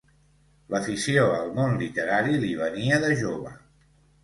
L'afició al món literari li venia de jove.